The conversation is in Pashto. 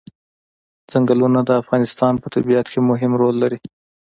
ځنګلونه د افغانستان په طبیعت کې مهم رول لري.